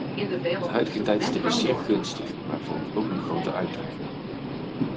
Het huidige tijdstip is zeer gunstig, maar vormt ook een grote uitdaging.